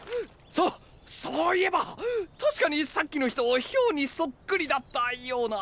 そっそう言えばたしかにさっきの人漂にそっくりだったような。